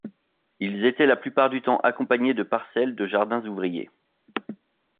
Ils étaient la plupart du temps accompagnés de parcelles de jardins ouvriers.